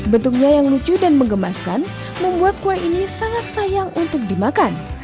bentuknya yang lucu dan mengemaskan membuat kue ini sangat sayang untuk dimakan